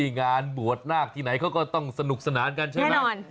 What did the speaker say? งานบัวนาคที่ไหนก็ต้องสนุกสนานกันใช่ไหมแน่นอน